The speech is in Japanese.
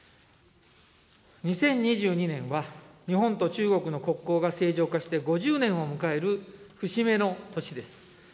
２０２２年は、日本と中国の国交が正常化して５０年を迎える節目の年です。